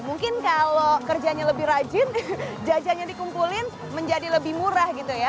mungkin kalau kerjanya lebih rajin jajannya dikumpulin menjadi lebih murah gitu ya